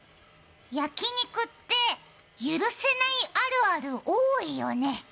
焼肉って許せないあるある、多いよね。